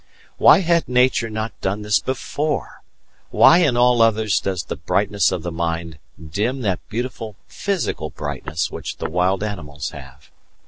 Why had Nature not done this before why in all others does the brightness of the mind dim that beautiful physical brightness which the wild animals have?